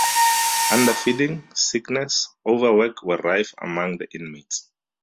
Underfeeding, sickness, and overwork were rife among the inmates.